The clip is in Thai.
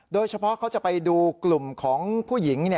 โดยเฉพาะเขาจะไปดูกลุ่มของผู้หญิง